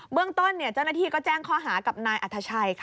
เรื่องต้นเจ้าหน้าที่ก็แจ้งข้อหากับนายอัธชัย